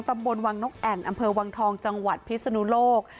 ตำบลวังนกแอ่นอำเภอวังทองจังหวัดพิศนุโลก